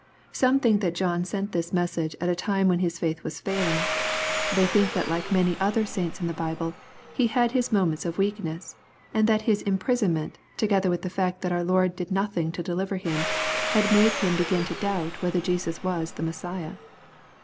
Some think that John sent this message at a time when his faith was failing. They think that like many other saints in the Bible, he had his moments of weakness, and that his imprison ment^ together with the fact that our Lord did nothing to deliver him, had made him begin to doubt whether Jesus was the Messiah.